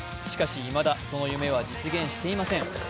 しかし、いまだその夢は実現していません。